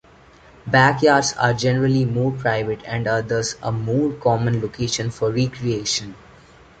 Backyards are generally more private and are thus a more common location for recreation.